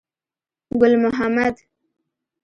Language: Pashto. ګل محمد.